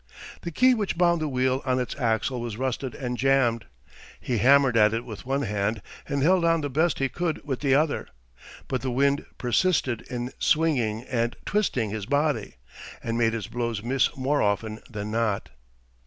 The key which bound the wheel on its axle was rusted and jammed. He hammered at it with one hand and held on the best he could with the other, but the wind persisted in swinging and twisting his body, and made his blows miss more often than not.